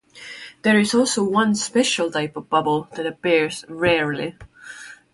There is also one special type of bubble that appears rarely.